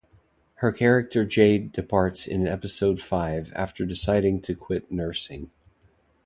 Her character Jade departs in episode five after deciding to quit nursing.